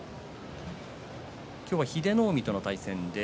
今日は英乃海との対戦です。